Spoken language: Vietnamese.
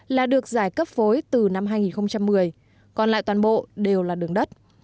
là được giải cấp phối từ năm hai nghìn một mươi còn lại toàn bộ đều là đường đất